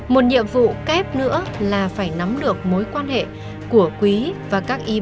một nhiệm vụ kép nữa là phải nắm được mối quan hệ của quý và các y bệnh viện